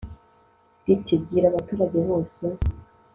riti bwira abaturage bose